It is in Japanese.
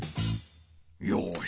よし！